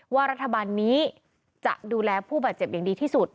ว่ารัฐบาลนี้จะดูแลผู้บาดเจ็บอย่างดีที่สุด